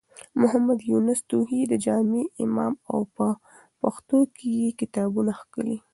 محمد يونس توخى د جامع امام و او په پښتو کې يې کتابونه کښلي.